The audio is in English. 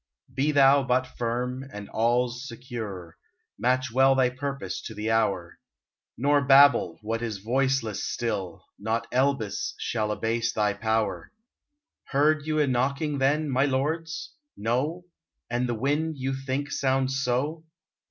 Be thou but firm, and all 's secure : Match well thy purpose to the hour. Nor babble what is voiceless still, — Not Eblis shall abase thy power ! 103 UNBIDDEN Heard you a knocking then, my lords ? No ?— and the wind, you think, sounds so